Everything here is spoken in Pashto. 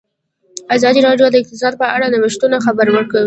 ازادي راډیو د اقتصاد په اړه د نوښتونو خبر ورکړی.